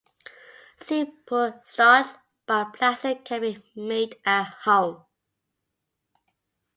Simple starch bioplastic can be made at home.